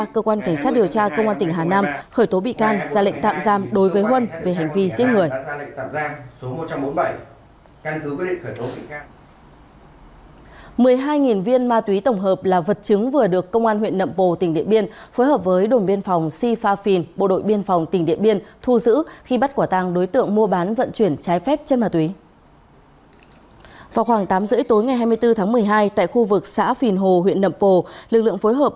cơ quan cảnh sát điều tra bộ công an đang điều tra vụ án vi phạm quy định về nghiên cứu thăm dò khai thác tài nguyên đưa hối lộ nhận hối lộ nhận hối lộ